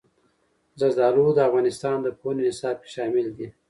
زردالو د افغانستان د پوهنې نصاب کې شامل دي.